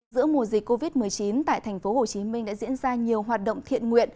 giữa mùa dịch covid một mươi chín tại tp hcm đã diễn ra nhiều hoạt động thiện nguyện